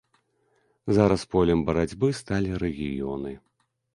Зараз полем барацьбы сталі рэгіёны.